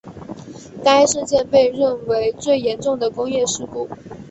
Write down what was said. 该事件被认为最严重的工业事故。